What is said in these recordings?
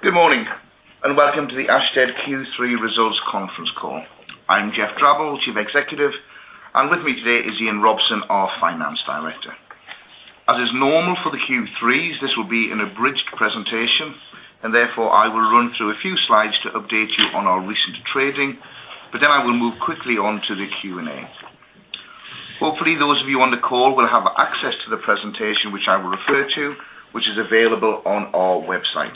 Good morning and welcome to the Ashtead Q3 Results Conference Call. I'm Geoff Drabble, Chief Executive, and with me today is Ian Robson, our Finance Director. As is normal for the Q3s, this will be an abridged presentation, and therefore I will run through a few slides to update you on our recent trading, but then I will move quickly on to the Q&A. Hopefully, those of you on the call will have access to the presentation which I will refer to, which is available on our website.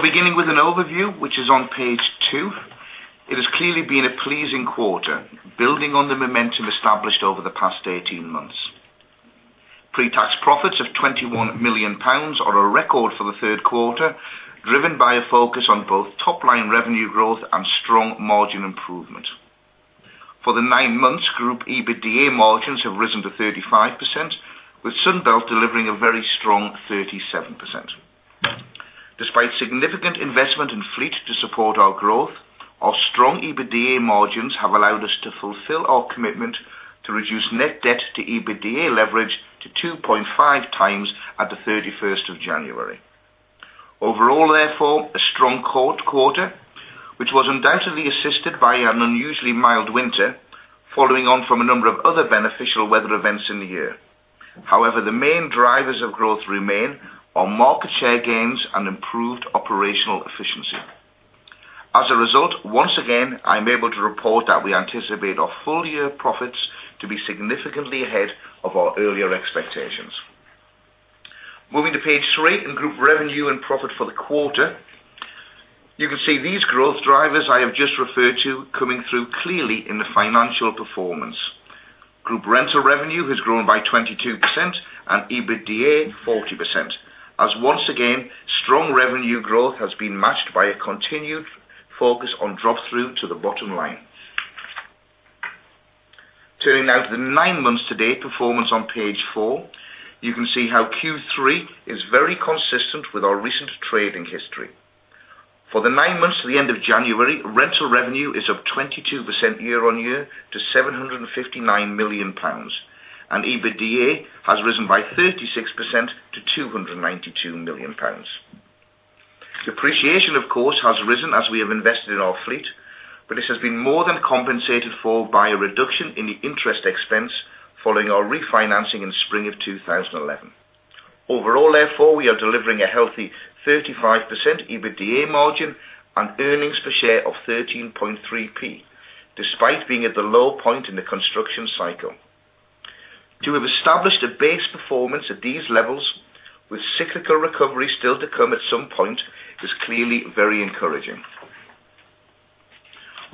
Beginning with an overview, which is on page two, it has clearly been a pleasing quarter, building on the momentum established over the past 18 months. Pre-tax profits of 21 million pounds are a record for the third quarter, driven by a focus on both top-line revenue growth and strong margin improvement. For the nine months, Group EBITDA margins have risen to 35%, with Sunbelt delivering a very strong 37%. Despite significant investment in fleet to support our growth, our strong EBITDA margins have allowed us to fulfil our commitment to reduce net debt to EBITDA leverage to 2.5x at the 31st of January. Overall, therefore, a strong quarter, which was undoubtedly assisted by an unusually mild winter, following on from a number of other beneficial weather events in the year. However, the main drivers of growth remain our market share gains and improved operational efficiency. As a result, once again, I'm able to report that we anticipate our full-year profits to be significantly ahead of our earlier expectations. Moving to page three in group revenue and profit for the quarter, you can see these growth drivers I have just referred to coming through clearly in the financial performance. Group rental revenue has grown by 22% and EBITDA 40%, as once again, strong revenue growth has been matched by a continued focus on drop-through to the bottom line. Turning now to the nine months to date performance on page four, you can see how Q3 is very consistent with our recent trading history. For the nine months to the end of January, rental revenue is up 22% year-on-year to 759 million pounds, and EBITDA has risen by 36% to 292 million pounds. The appreciation, of course, has risen as we have invested in our fleet, but this has been more than compensated for by a reduction in the interest expense following our refinancing in spring of 2011. Overall, therefore, we are delivering a healthy 35% EBITDA margin and earnings per share of 13.30, despite being at the low point in the construction cycle. To have established a base performance at these levels, with cyclical recovery still to come at some point, is clearly very encouraging.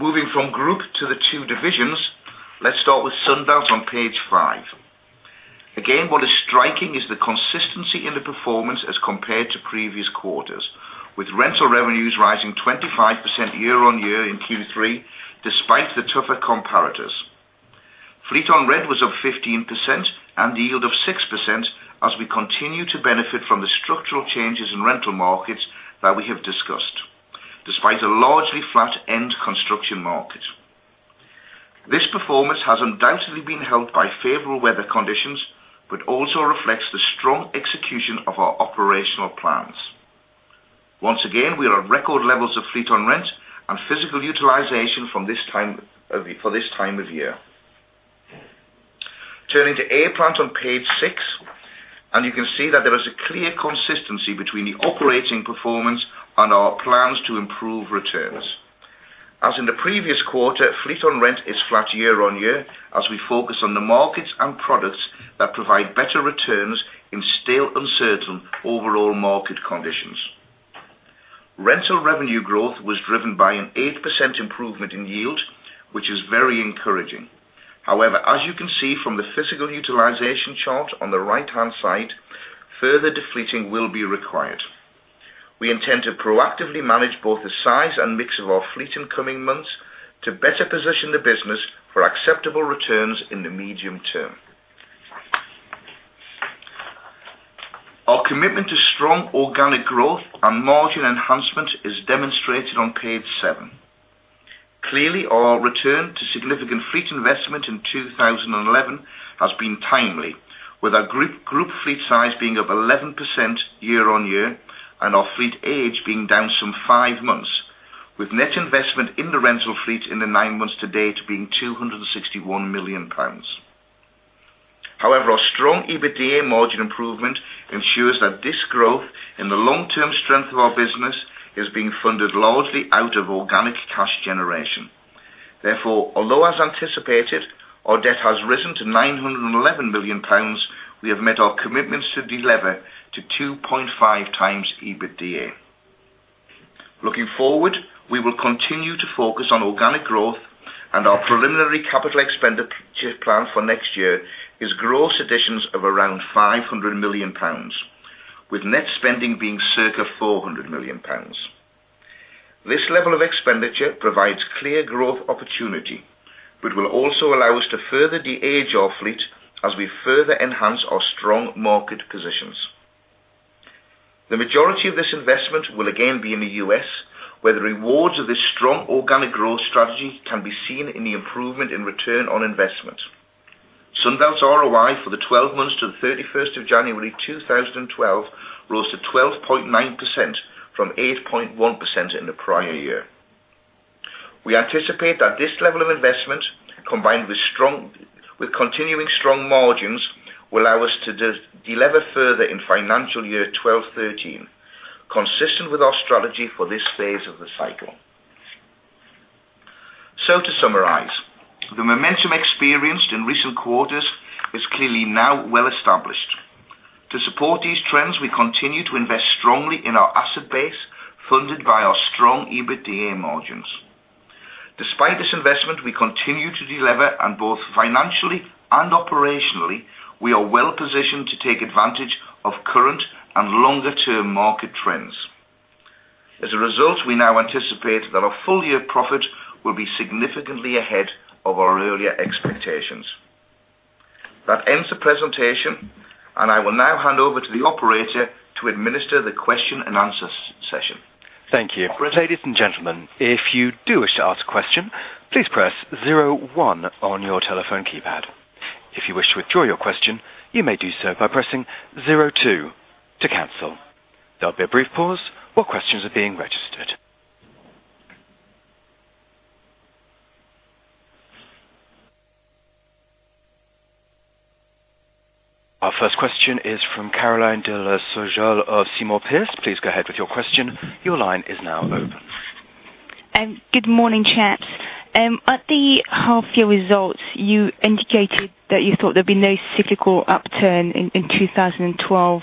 Moving from group to the two divisions, let's start with Sunbelt on page five. Again, what is striking is the consistency in the performance as compared to previous quarters, with rental revenues rising 25% year-on-year in Q3, despite the tougher comparators. Fleet on rent was up 15% and yield of 6%, as we continue to benefit from the structural changes in rental markets that we have discussed, despite a largely flat end construction market. This performance has undoubtedly been helped by favorable weather conditions, but also reflects the strong execution of our operational plans. Once again, we are at record levels of fleet on rent and physical utilization for this time of year. Turning to [A-plan] on page six, you can see that there is a clear consistency between the operating performance and our plans to improve returns. As in the previous quarter, fleet on rent is flat year-on-year as we focus on the markets and products that provide better returns in still uncertain overall market conditions. rental revenue growth was driven by an 8% improvement in yield, which is very encouraging. However, as you can see from the physical utilization chart on the right-hand side, further defleeting will be required. We intend to proactively manage both the size and mix of our fleet in coming months to better position the business for acceptable returns in the medium term. Our commitment to strong organic growth and margin enhancement is demonstrated on page seven. Clearly, our return to significant fleet investment in 2011 has been timely, with our group fleet size being up 11% year-on-year and our fleet age being down some five months, with net investment in the rental fleet in the nine months to date being 261 million pounds. However, our strong EBITDA margin improvement ensures that this growth and the long-term strength of our business is being funded largely out of organic cash generation. Therefore, although as anticipated, our debt has risen to 911 million pounds, we have met our commitments to deliver to 2.5x EBITDA. Looking forward, we will continue to focus on organic growth, and our preliminary capital expenditure plan for next year is gross additions of around 500 million pounds, with net spending being circa 400 million pounds. This level of expenditure provides clear growth opportunity, but will also allow us to further de-age our fleet as we further enhance our strong market positions. The majority of this investment will again be in the U.S., where the rewards of this strong organic growth strategy can be seen in the improvement in return on investment. Sunbelt's ROI for the 12 months to 31st of January, 2012, rose to 12.9% from 8.1% in the prior year. We anticipate that this level of investment, combined with continuing strong margins, will allow us to deliver further in financial year 2012, 2013, consistent with our strategy for this phase of the cycle. To summarize, the momentum experienced in recent quarters is clearly now well established. To support these trends, we continue to invest strongly in our asset base funded by our strong EBITDA margins. Despite this investment, we continue to deliver and both financially and operationally, we are well positioned to take advantage of current and longer-term market trends. As a result, we now anticipate that our full-year profit will be significantly ahead of our earlier expectations. That ends the presentation, and I will now hand over to the operator to administer the question and answer session. Thank you. Ladies and gentlemen, if you do wish to ask a question, please press 01 on your telephone keypad. If you wish to withdraw your question, you may do so by pressing 02 to cancel. There will be a brief pause while questions are being registered. Our first question is from Caroline de La Soujeole of Seymour Pierce. Please go ahead with your question. Your line is now open. Good morning, chaps. At the half-year results, you indicated that you thought there'd be no cyclical upturn in 2012.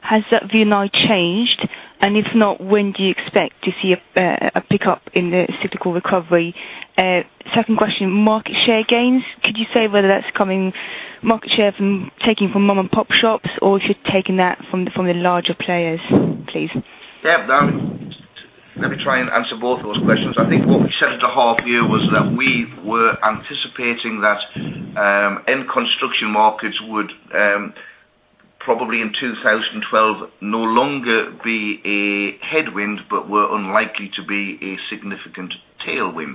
Has that view now changed? If not, when do you expect to see a pickup in the cyclical recovery? Second question, market share gains. Could you say whether that's coming market share from taking from mom-and-pop shops or if you're taking that from the larger players, please? Yeah, let me try and answer both of those questions. I think what we said at the half-year was that we were anticipating that end construction markets would probably in 2012 no longer be a headwind, but were unlikely to be a significant tailwind.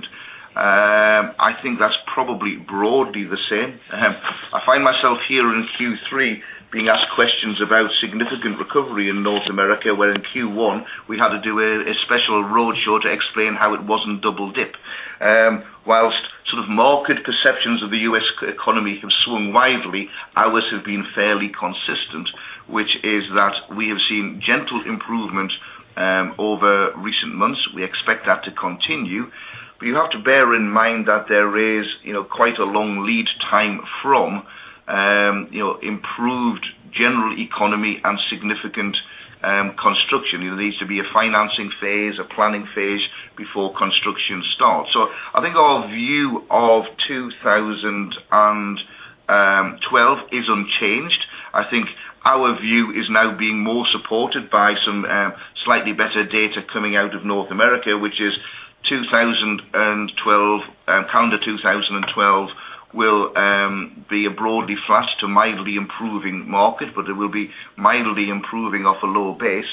I think that's probably broadly the same. I find myself here in Q3 being asked questions about significant recovery in North America, where in Q1 we had to do a special roadshow to explain how it wasn't double dipped. Whilst sort of market perceptions of the U.S. economy have swung widely, ours have been fairly consistent, which is that we have seen gentle improvement over recent months. We expect that to continue, but you have to bear in mind that there is quite a long lead time from improved general economy and significant construction. There needs to be a financing phase, a planning phase before construction starts. I think our view of 2012 is unchanged. I think our view is now being more supported by some slightly better data coming out of North America, which is calendar 2012 will be a broadly flat to mildly improving market, but it will be mildly improving off a low base.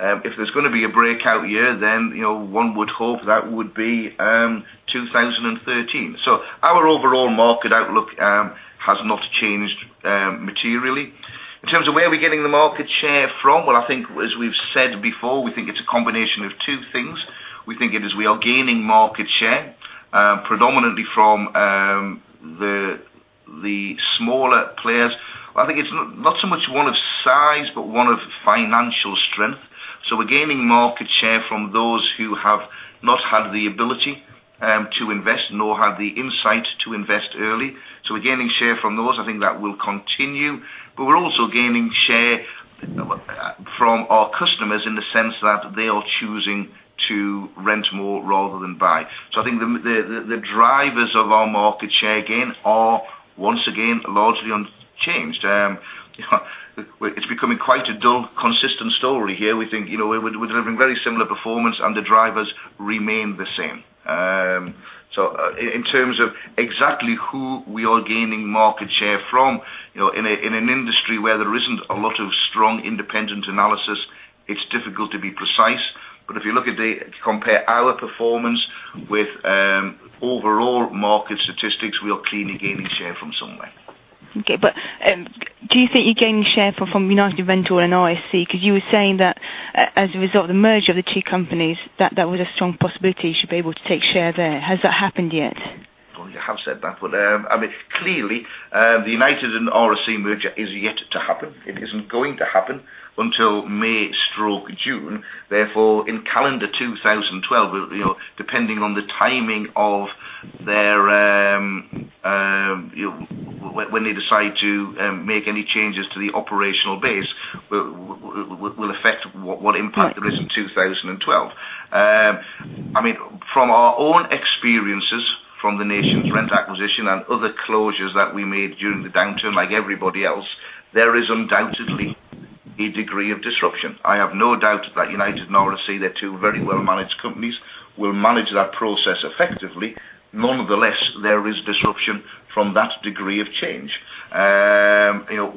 If there's going to be a breakout year, then one would hope that would be 2013. Our overall market outlook has not changed materially. In terms of where we're getting the market share from, I think as we've said before, we think it's a combination of two things. We think it is we are gaining market share predominantly from the smaller players. I think it's not so much one of size, but one of financial strength. We're gaining market share from those who have not had the ability to invest, nor had the insight to invest early. We're gaining share from those. I think that will continue, but we're also gaining share from our customers in the sense that they are choosing to rent more rather than buy. I think the drivers of our market share gain are, once again, largely unchanged. It's becoming quite a dull, consistent story here. We think we're delivering very similar performance and the drivers remain the same. In terms of exactly who we are gaining market share from, in an industry where there isn't a lot of strong independent analysis, it's difficult to be precise. If you look at the compare our performance with overall market statistics, we are clearly gaining share from somewhere. Okay, do you think you're gaining share from United Rentals and RSC? You were saying that as a result of the merger of the two companies, that was a strong possibility you should be able to take share there. Has that happened yet? I have said that, but I mean clearly the United and RSC merger is yet to happen. It isn't going to happen until May/June. Therefore, in calendar 2012, depending on the timing of when they decide to make any changes to the operational base, it will affect what impact there is in 2012. From our own experiences from the NationsRent acquisition and other closures that we made during the downturn, like everybody else, there is undoubtedly a degree of disruption. I have no doubt that United and RSC, they're two very well-managed companies, will manage that process effectively. Nonetheless, there is disruption from that degree of change.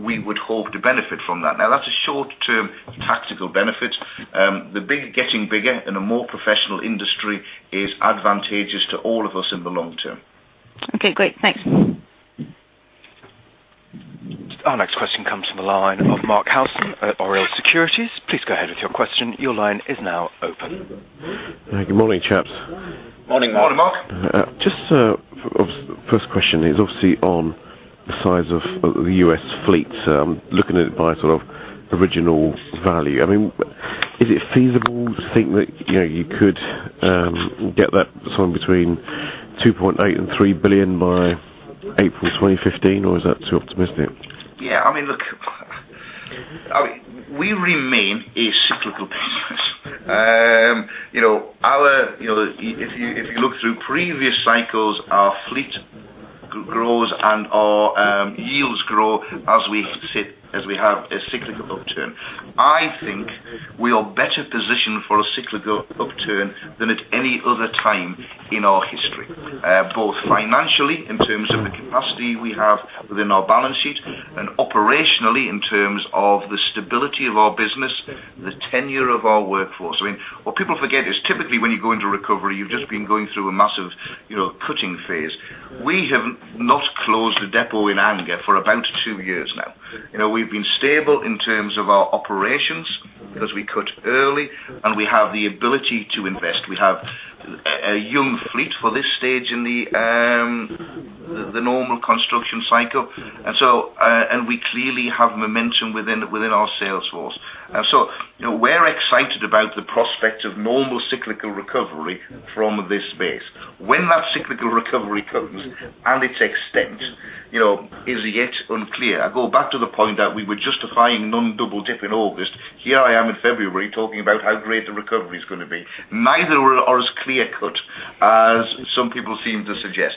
We would hope to benefit from that. Now, that's a short-term tactical benefit. The bigger, getting bigger in a more professional industry is advantageous to all of us in the long term. Okay, great. Thanks. Our next question comes from the line of Mark Howson at Oriel Securities. Please go ahead with your question. Your line is now open. Good morning, chaps. Morning, morning, Mark. Just the first question is obviously on the size of the U.S. fleet. I'm looking at it by sort of original value. I mean, is it feasible to think that you could get that somewhere between 2.8 billion and 3 billion by April 2015, or is that too optimistic? Yeah, I mean, look, we remain a cyclical business. If you look through previous cycles, our fleet grows and our yields grow as we sit as we have a cyclical upturn. I think we are better positioned for a cyclical upturn than at any other time in our history, both financially in terms of the capacity we have within our balance sheet and operationally in terms of the stability of our business, the tenure of our workforce. What people forget is typically when you go into recovery, you've just been going through a massive cutting phase. We have not closed the depot in anger for about two years now. We've been stable in terms of our operations because we cut early and we have the ability to invest. We have a young fleet for this stage in the normal construction cycle, and we clearly have momentum within our sales force. We're excited about the prospect of normal cyclical recovery from this space. When that cyclical recovery comes and its extent is yet unclear, I go back to the point that we were justifying non-double dip in August. Here I am in February talking about how great the recovery is going to be. Neither are as clear-cut as some people seem to suggest.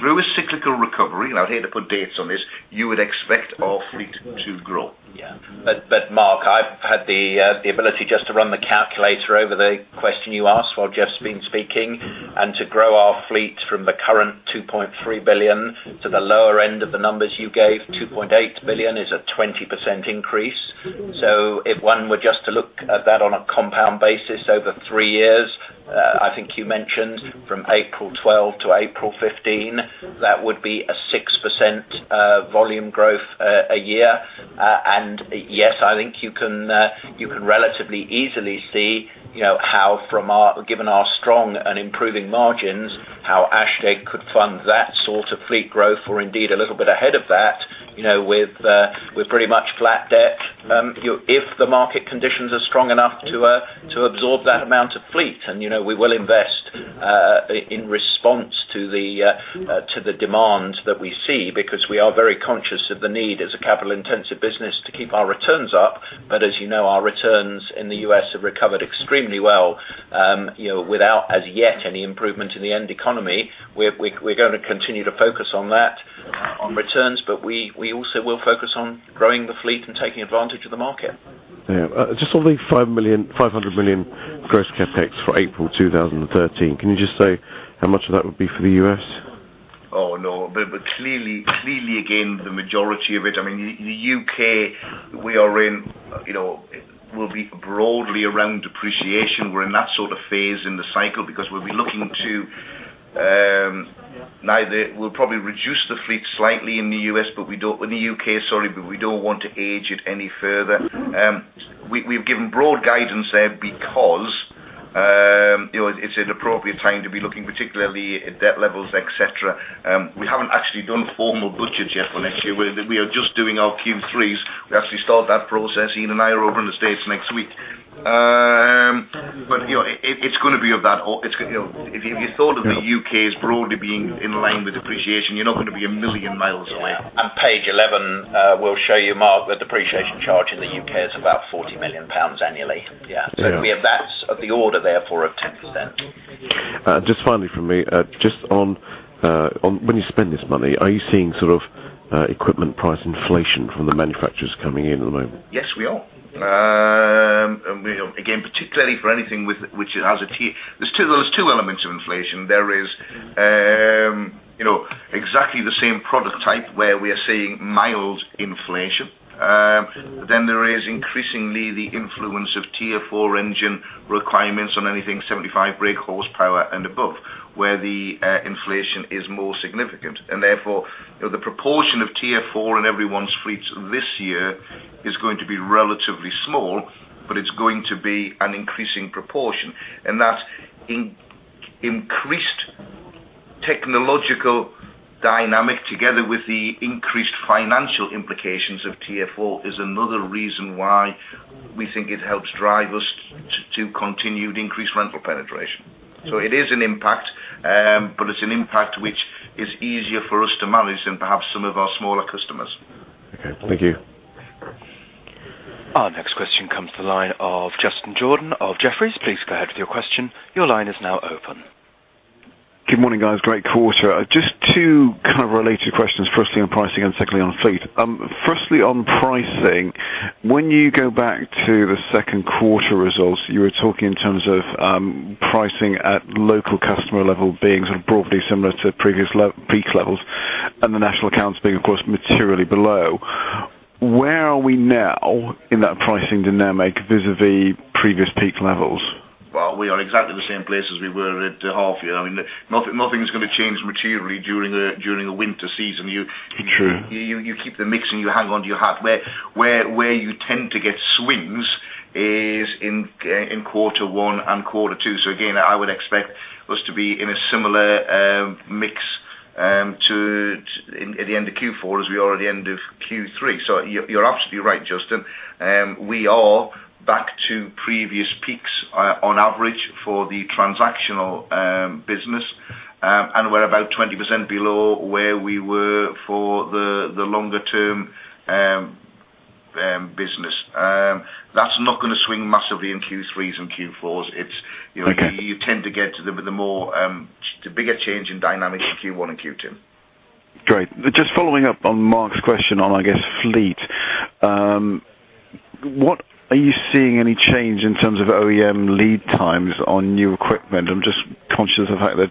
Through a cyclical recovery, and I'd hate to put dates on this, you would expect our fleet to grow. Yeah, but Mark, I've had the ability just to run the calculator over the question you asked while Geoff's been speaking, and to grow our fleet from the current 2.3 billion to the lower end of the numbers you gave, 2.8 billion is a 20% increase. If one were just to look at that on a compound basis over three years, I think you mentioned from April 2012 to April 2015, that would be a 6% volume growth a year. Yes, I think you can relatively easily see how, given our strong and improving margins, how Ashtead could fund that sort of fleet growth or indeed a little bit ahead of that with pretty much flat debt. If the market conditions are strong enough to absorb that amount of fleet, we will invest in response to the demand that we see because we are very conscious of the need as a capital-intensive business to keep our returns up. As you know, our returns in the U.S. have recovered extremely well without as yet any improvement in the end economy. We're going to continue to focus on that, on returns, but we also will focus on growing the fleet and taking advantage of the market. Yeah, just on the 500 million gross CapEx for April 2013, can you just say how much of that would be for the U.S.? Oh, no, but clearly, again, the majority of it, I mean, the U.K. we are in, you know, will be broadly around depreciation. We're in that sort of phase in the cycle because we'll be looking to neither. We'll probably reduce the fleet slightly in the U.S., but we don't in the U.K., sorry, but we don't want to age it any further. We've given broad guidance there because it's an appropriate time to be looking particularly at debt levels, etc. We haven't actually done formal budgets yet for next year. We are just doing our Q3s. We actually start that process, Ian and I are over in the States next week. It's going to be of that. If you thought of the U.K. as broadly being in line with depreciation, you're not going to be a million miles away. Page 11 will show you, Mark, the depreciation charge in the U.K. is about 40 million pounds annually. We have that's of the order therefore of 10%. Just finally for me, just on when you spend this money, are you seeing sort of equipment price inflation from the manufacturers coming in at the moment? Yes, we are. Particularly for anything which has a tier, there are two elements of inflation. There is exactly the same product type where we are seeing mild inflation. Then there is increasingly the influence of Tier 4 engine requirements on anything 75 brake horsepower and above, where the inflation is more significant. Therefore, the proportion of Tier 4 in everyone's fleet this year is going to be relatively small, but it's going to be an increasing proportion. That increased technological dynamic, together with the increased financial implications of Tier 4, is another reason why we think it helps drive us to continued increased rental penetration. It is an impact, but it's an impact which is easier for us to manage than perhaps some of our smaller customers. Okay, thank you. Our next question comes to the line of Justin Jordan of Jefferies. Please go ahead with your question. Your line is now open. Good morning, guys. Great quarter. Just two kind of related questions. Firstly on pricing and secondly on fleet. Firstly on pricing, when you go back to the second quarter results, you were talking in terms of pricing at local customer level being broadly similar to previous peak levels, and the national accounts being, of course, materially below. Where are we now in that pricing dynamic vis-à-vis previous peak levels? We are exactly the same place as we were at the half-year. Nothing's going to change materially during a winter season. You keep the mix and you hang on to your hat. Where you tend to get swings is in quarter one and quarter two. I would expect us to be in a similar mix at the end of Q4 as we are at the end of Q3. You're absolutely right, Justin. We are back to previous peaks on average for the transactional business, and we're about 20% below where we were for the longer-term business. That's not going to swing massively in Q3s and Q4s. You tend to get the bigger change in dynamics in Q1 and Q2. Great. Just following up on Mark's question on, I guess, fleet, are you seeing any change in terms of OEM lead times on new equipment? I'm just conscious of the fact that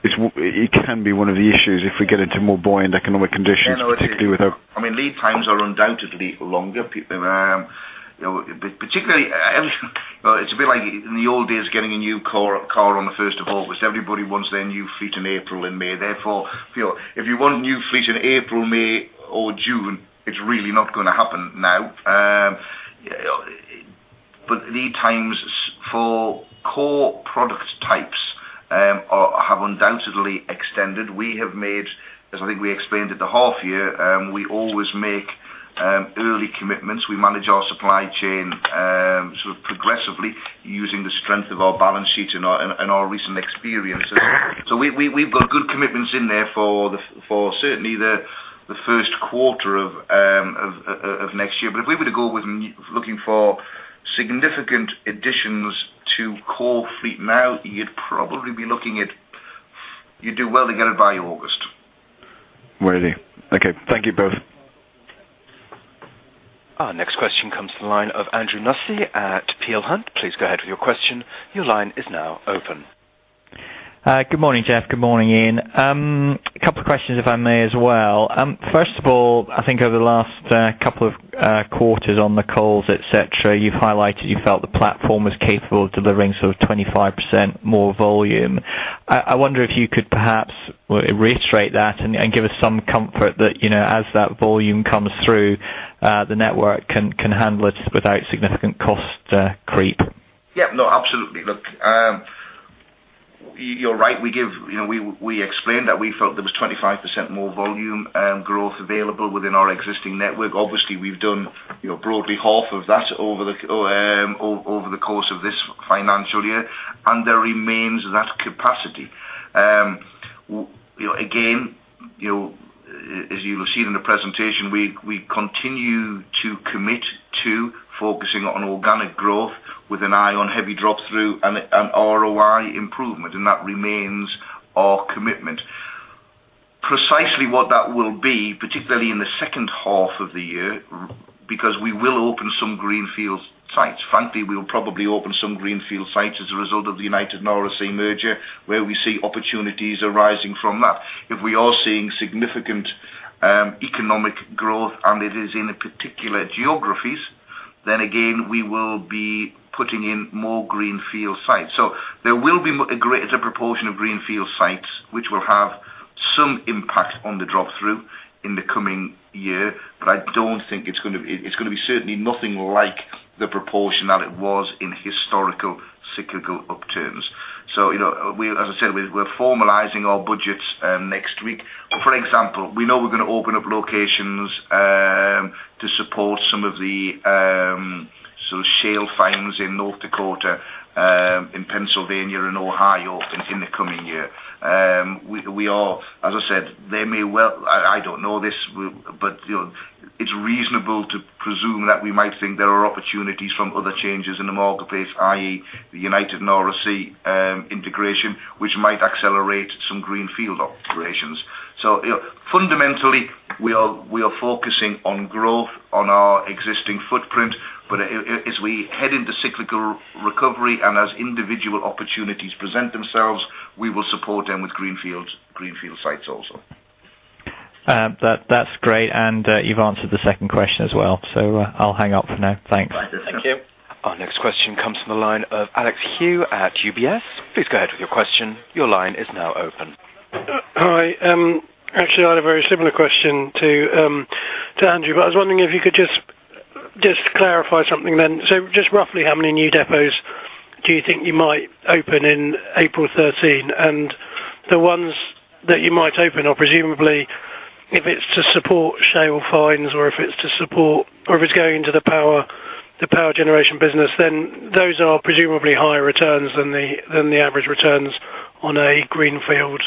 it can be one of the issues if we get into more buoyant economic conditions, particularly with. I mean, lead times are undoubtedly longer. Particularly, it's a bit like in the old days getting a new car on the 1st of August. Everybody wants their new fleet in April and May. Therefore, if you want new fleet in April, May, or June, it's really not going to happen now. Lead times for core product types have undoubtedly extended. We have made, as I think we explained at the half-year, we always make early commitments. We manage our supply chain progressively using the strength of our balance sheet and our recent experiences. We've got good commitments in there for certainly the first quarter of next year. If we were to go with looking for significant additions to core fleet now, you'd probably be looking at, you'd do well to get it by August. Worthy. Okay, thank you both. Our next question comes to the line of Andrew Nussey at Peel Hunt. Please go ahead with your question. Your line is now open. Good morning, Geoff. Good morning, Ian. A couple of questions, if I may as well. First of all, I think over the last couple of quarters on the calls, you've highlighted you felt the platform was capable of delivering sort of 25% more volume. I wonder if you could perhaps reiterate that and give us some comfort that, you know, as that volume comes through the network, it can handle it without significant cost creep. Yeah, no, absolutely. Look, you're right. We explained that we felt there was 25% more volume growth available within our existing network. Obviously, we've done broadly half of that over the course of this financial year, and there remains that capacity. Again, as you'll have seen in the presentation, we continue to commit to focusing on organic growth with an eye on heavy drop-through and ROI improvement, and that remains our commitment. Precisely what that will be, particularly in the second half of the year, because we will open some greenfield sites. Frankly, we'll probably open some greenfield sites as a result of the United Rentals and RSC Equipment Rental merger, where we see opportunities arising from that. If we are seeing significant economic growth and it is in particular geographies, then again, we will be putting in more greenfield sites. There will be a greater proportion of greenfield sites which will have some impact on the drop-through in the coming year, but I don't think it's going to be certainly nothing like the proportion that it was in historical cyclical upturns. As I said, we're formalizing our budgets next week. For example, we know we're going to open up locations to support some of the sort of shale finds in North Dakota, in Pennsylvania, and Ohio in the coming year. As I said, they may well, I don't know this, but it's reasonable to presume that we might think there are opportunities from other changes in the marketplace, i.e., the United and RSC integration, which might accelerate some greenfield operations. Fundamentally, we are focusing on growth on our existing footprint, but as we head into cyclical recovery and as individual opportunities present themselves, we will support them with greenfield sites also. That's great, and you've answered the second question as well. I'll hang up for now. Thanks. Our next question comes from the line of Alex Hugh at UBS. Please go ahead with your question. Your line is now open. Hi. I had a very similar question to Andrew, but I was wondering if you could just clarify something. Just roughly, how many new depots do you think you might open in April 2013? The ones that you might open are presumably, if it's to support shale finds or if it's to support, or if it's going into the power generation business, then those are presumably higher returns than the average returns on a greenfield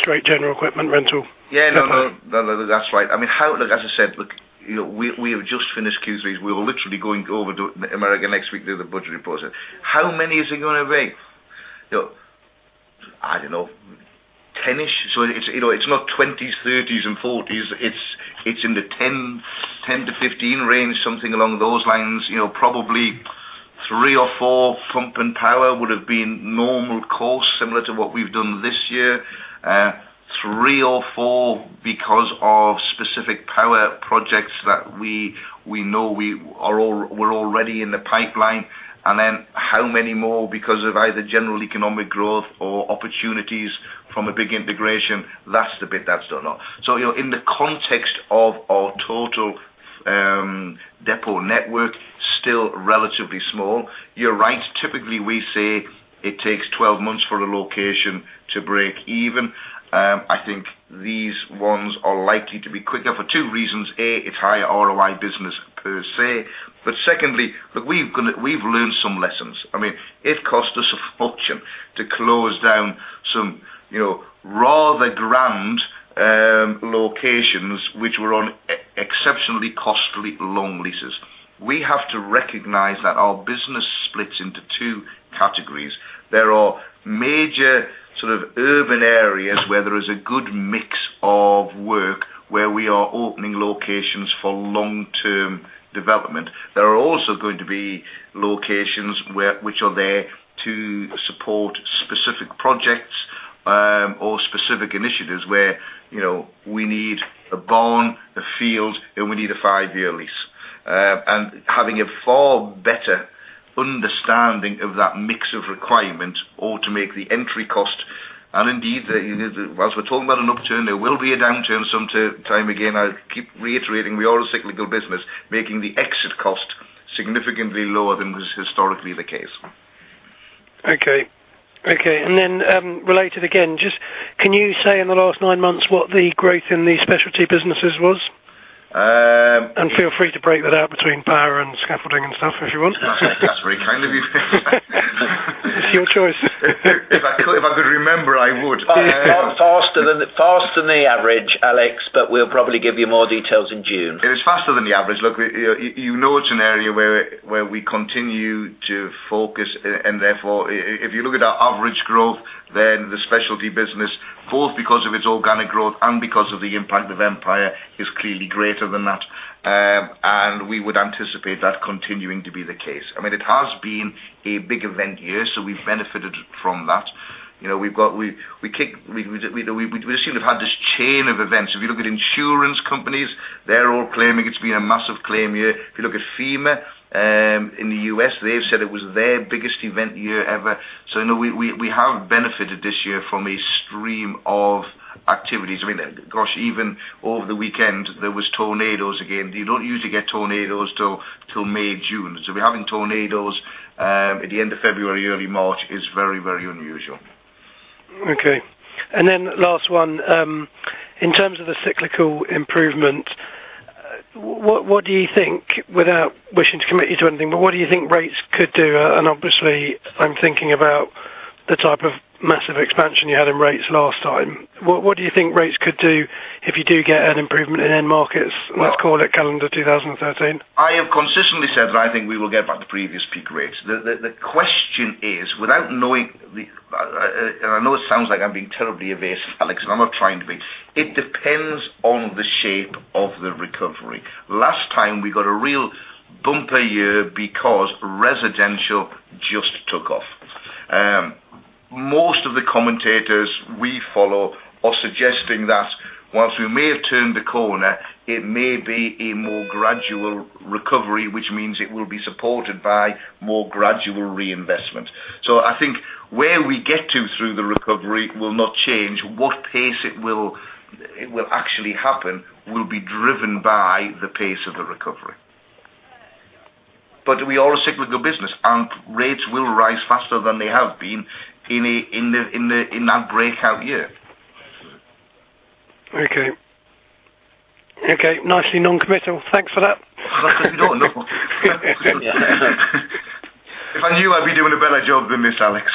stroke general equipment rental. Yeah, no, no, no, that's right. I mean, look, as I said, we have just finished Q3. We were literally going over to America next week to do the budget deposit. How many is it going to be? I don't know, 10-ish? It's not 20s, 30s, and 40s. It's in the 10-15 range, something along those lines. Probably three or four pump and power would have been normal costs, similar to what we've done this year. Three or four because of specific power projects that we know are already in the pipeline. Then how many more because of either general economic growth or opportunities from a big integration? That's the bit that's done off. In the context of our total depot network, still relatively small. You're right. Typically, we say it takes 12 months for a location to break even. I think these ones are likely to be quicker for two reasons. A, it's higher ROI business per se. Secondly, we've learned some lessons. It cost us a fortune to close down some rather grand locations which were on exceptionally costly long leases. We have to recognize that our business splits into two categories. There are major sort of urban areas where there is a good mix of work, where we are opening locations for long-term development. There are also going to be locations which are there to support specific projects or specific initiatives where we need a barn, a field, and we need a five-year lease. Having a far better understanding of that mix of requirement automates the entry cost. Indeed, as we're talking about an upturn, there will be a downturn some time again.I keep reiterating we are a cyclical business, making the exit cost significantly lower than was historically the case. Okay. Can you say in the last nine months what the growth in these specialty businesses was? Feel free to break that out between power and scaffolding and stuff if you want. That's very kind of you. It's your choice. If I could remember, I would. It's faster than the average, Alex, but we'll probably give you more details in June. It's faster than the average. Look, you know it's an area where we continue to focus. Therefore, if you look at our average growth, then the specialty business, both because of its organic growth and because of the impact of Empire, is clearly greater than that. We would anticipate that continuing to be the case. I mean, it has been a big event year, so we've benefited from that. We've seen we've had this chain of events. If you look at insurance companies, they're all claiming it's been a massive claim year. If you look at FEMA in the U.S., they've said it was their biggest event year ever. You know, we have benefited this year from a stream of activities. I mean, gosh, even over the weekend, there were tornadoes again. You don't usually get tornadoes till May, June. We're having tornadoes at the end of February, early March is very, very unusual. Okay. Last one, in terms of the cyclical improvement, what do you think, without wishing to commit you to anything, but what do you think rates could do? Obviously, I'm thinking about the type of massive expansion you had in rates last time. What do you think rates could do if you do get an improvement in end markets? Let's call it calendar 2013. I have consistently said that I think we will get back to previous peak rates. The question is, without knowing the, and I know it sounds like I'm being terribly evasive, Alex, and I'm not trying to be, it depends on the shape of the recovery. Last time, we got a real bumper year because residential just took off. Most of the commentators we follow are suggesting that whilst we may have turned the corner, it may be a more gradual recovery, which means it will be supported by more gradual reinvestment. I think where we get to through the recovery will not change. What pace it will actually happen will be driven by the pace of the recovery. We are a cyclical business and rates will rise faster than they have been in that breakout year. Okay, nicely non-committal. Thanks for that. If I knew, I'd be doing a better job than this, Alex.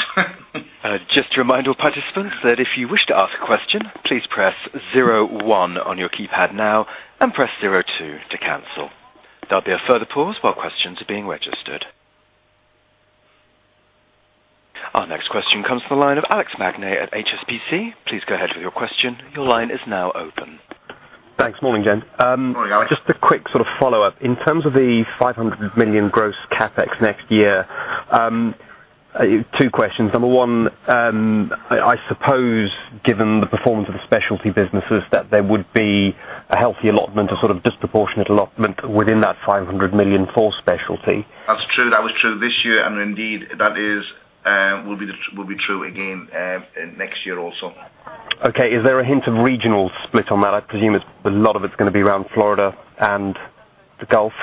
Just a reminder, participants, that if you wish to ask a question, please press 01 on your keypad now and press 02 to cancel. There will be a further pause while questions are being registered. Our next question comes from the line of Alex Magni at HSBC. Please go ahead with your question. Your line is now open. Thanks. Morning, James. Morning, Alex. Just a quick sort of follow-up. In terms of the 500 million gross CapEx next year, two questions. Number one, I suppose given the performance of the specialty businesses, that there would be a healthy allotment or sort of disproportionate allotment within that 500 million for specialty. That's true. That was true this year, and indeed that will be true again next year also. Okay. Is there a hint of regional split on that? I presume a lot of it's going to be around Florida and the Gulf.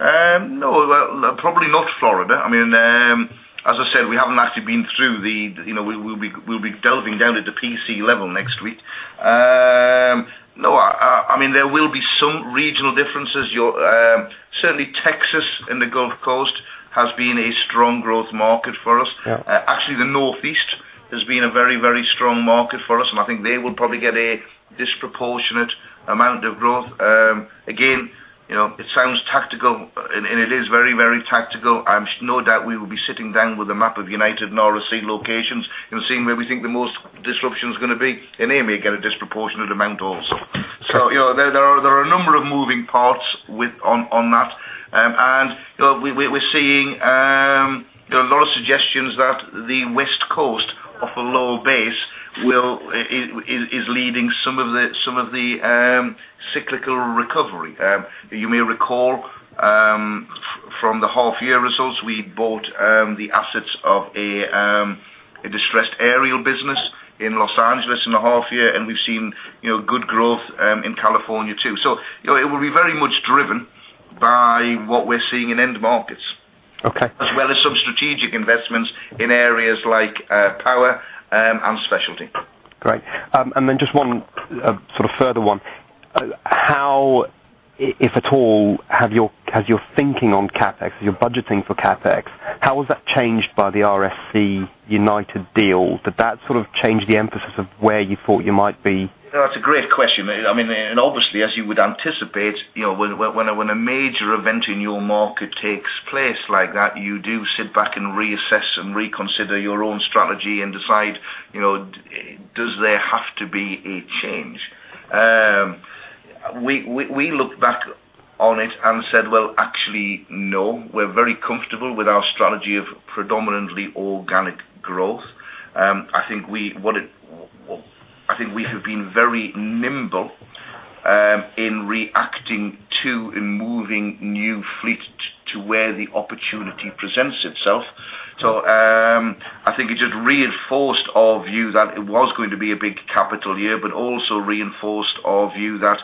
No, probably not Florida. As I said, we haven't actually been through the, you know, we'll be delving down at the PC level next week. There will be some regional differences. Certainly, Texas and the Gulf Coast have been a strong growth market for us. Actually, the Northeast has been a very, very strong market for us, and I think they will probably get a disproportionate amount of growth. It sounds tactical, and it is very, very tactical. I'm no doubt we will be sitting down with a map of United and RSC locations and seeing where we think the most disruption is going to be, and they may get a disproportionate amount also. There are a number of moving parts on that. We're seeing a lot of suggestions that the West Coast off a low base is leading some of the cyclical recovery. You may recall from the half-year results, we bought the assets of a distressed aerial business in Los Angeles in the half year, and we've seen good growth in California too. It will be very much driven by what we're seeing in end markets, as well as some strategic investments in areas like power and specialty. Great. Just one sort of further one. How, if at all, has your thinking on CapEx, your budgeting for CapEx, changed by the RSC-United deal? Did that change the emphasis of where you thought you might be? That's a great question. Obviously, as you would anticipate, when a major event in your market takes place like that, you do sit back and reassess and reconsider your own strategy and decide, does there have to be a change? We looked back on it and said, actually, no, we're very comfortable with our strategy of predominantly organic growth. I think we have been very nimble in reacting to and moving new fleet to where the opportunity presents itself. I think it just reinforced our view that it was going to be a big capital year, but also reinforced our view that,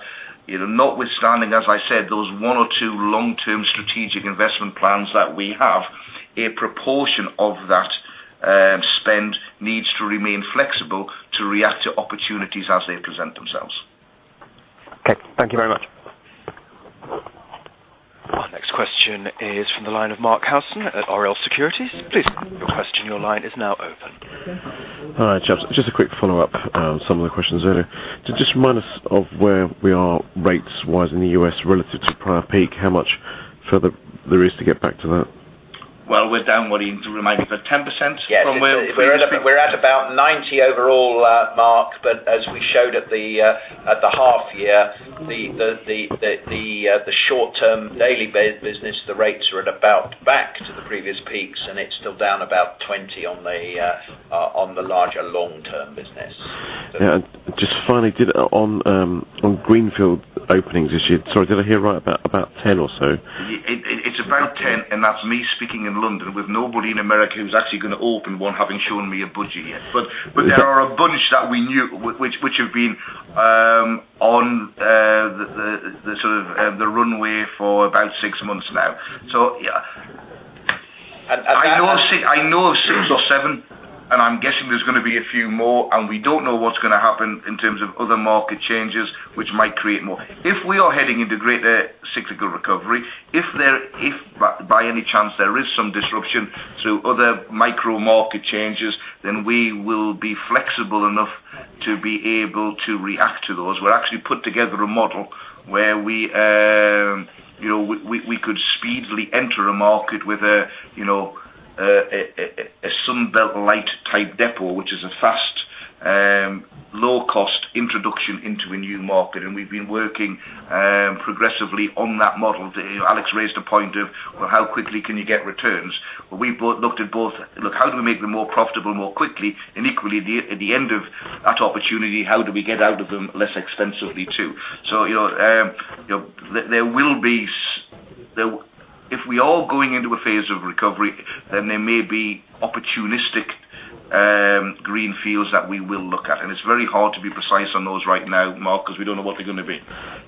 notwithstanding, as I said, those one or two long-term strategic investment plans that we have, a proportion of that spend needs to remain flexible to react to opportunities as they present themselves. Okay, thank you very much. Our next question is from the line of Mark Howson at Oriel Securities. Please go to your question. Your line is now open. All right, chaps. Just a quick follow-up on some of the questions earlier. To just remind us of where we are rates-wise in the U.S. relative to prior peak, how much further there is to get back to that? We're down, you remind me, we're at 10%? Yes. I think we're at about 90% overall, Mark, but as we showed at the half-year, the short-term daily business, the rates are at about back to the previous peaks, and it's still down about 20% on the larger long-term business. Yeah, I just finally did it on greenfield openings this year. Sorry, did I hear right about 10 or so? It's about 10, and that's me speaking in London with nobody in America who's actually going to open one, having shown me a budget yet. There are a bunch that we knew which have been on the sort of runway for about six months now. Yeah, I know six or seven, and I'm guessing there's going to be a few more, and we don't know what's going to happen in terms of other market changes which might create more. If we are heading into greater cyclical recovery, if by any chance there is some disruption through other micro market changes, we will be flexible enough to be able to react to those. We've actually put together a model where we could speedily enter a market with a Sunbelt light type depot, which is a fast, low-cost introduction into a new market. We've been working progressively on that model. Alex raised the point of, how quickly can you get returns? We've looked at both. Look, how do we make them more profitable more quickly? Equally, at the end of that opportunity, how do we get out of them less expensively too? There will be, if we are going into a phase of recovery, then there may be opportunistic greenfields that we will look at. It's very hard to be precise on those right now, Mark, because we don't know what they're going to be.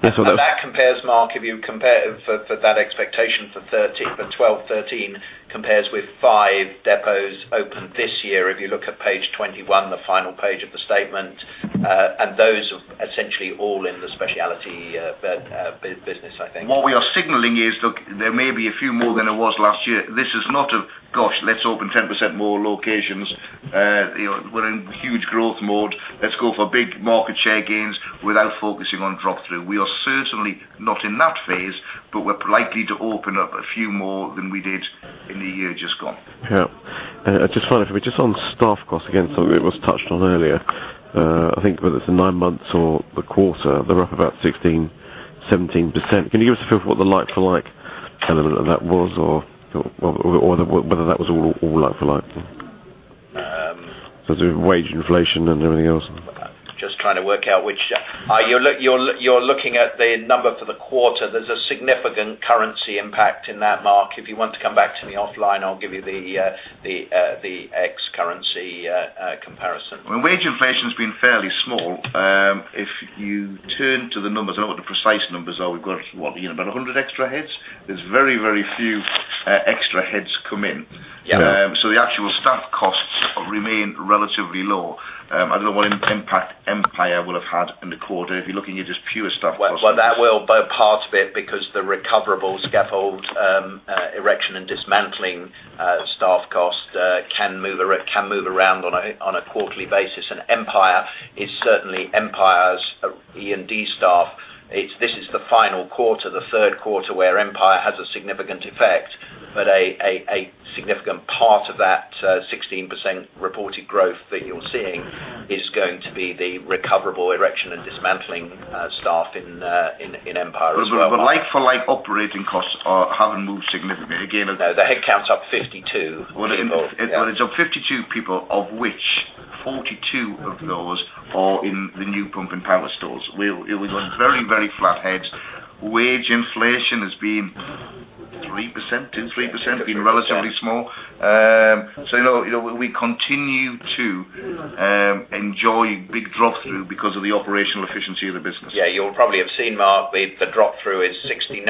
If that compares, Mark, if you compare for that expectation for 2012, 2013 compares with five depots opened this year. If you look at page 21, the final page of the statement, those are essentially all in the specialty business, I think. What we are signaling is, look, there may be a few more than there was last year. This is not a, gosh, let's open 10% more locations. We're in huge growth mode. Let's go for big market share gains without focusing on drop-through. We are certainly not in that phase, but we're likely to open up a few more than we did in the year just gone. Yeah. I just wondered, if we're just on staff costs again, something that was touched on earlier, I think it was the nine months or the quarter, they're up about 16%, 17%. Can you give us a feel for what the like-for-like element of that was or whether that was all like-for-like? Because of wage inflation and everything else. Just trying to work out which, are you looking at the number for the quarter? There's a significant currency impact in that, Mark. If you want to come back to me offline, I'll give you the ex-currency comparison. I mean, wage inflation has been fairly small. If you turn to the numbers, I don't know what the precise numbers are. We've got, what, you know, about 100 extra heads? There are very, very few extra heads come in. The actual staff costs remain relatively low. I don't know what impact Empire will have had in the quarter if you're looking at just pure staff costs. The recoverable scaffold erection and dismantling staff cost can move around on a quarterly basis. Empire is certainly Empire's E&D staff. This is the final quarter, the third quarter where Empire has a significant effect. A significant part of that 16% reported growth that you're seeing is going to be the recoverable erection and dismantling staff in Empire as well. Like-for-like operating costs haven't moved significantly again. No, the headcount's up 52. It is up 52 people, of which 42 of those are in the new pump and power stores. We've got very, very flat heads. Wage inflation has been 3%, 2%, 3%. It's been relatively small. We continue to enjoy big drop-through because of the operational efficiency of the business. Yeah, you'll probably have seen, Mark, the drop-through is 69%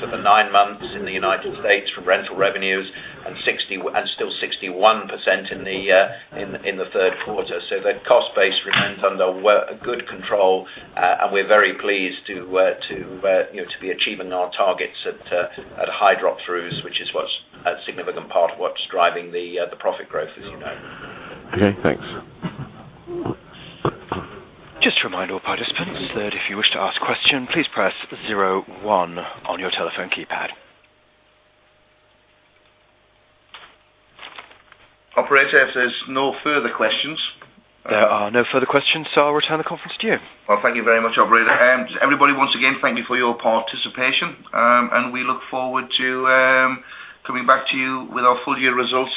for the nine months in the United States from rental revenues, and still 61% in the third quarter. The cost base remains under good control, and we're very pleased to be achieving our targets at high drop-throughs, which is a significant part of what's driving the profit growth, as you know. Okay, thanks. Just a reminder, participants, that if you wish to ask a question, please press 0 1 on your telephone keypad. Operator, if there's no further questions. There are no further questions, so I'll return the conference to you. Thank you very much, operator. Everybody, once again, thank you for your participation, and we look forward to coming back to you with our full-year results.